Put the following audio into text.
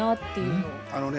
あのね